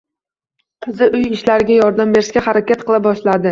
Qizi uy ishlariga yordam berishga harakat qila boshladi.